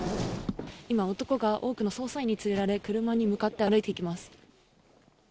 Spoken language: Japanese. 今、男が多くの捜査員に連れられ、車に向かって歩いていきます。